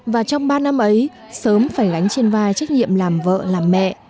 và trong ba năm ấy sớm phải gánh trên vai trách nhiệm làm vợ làm mẹ